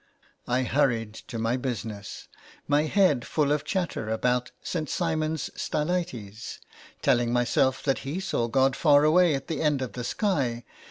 I hurried to my business, my head full of chatter about St. Simon's Stylites, telling myself that he saw God far away at the end of the sky.